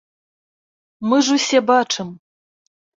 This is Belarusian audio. Мы ж усе бачым.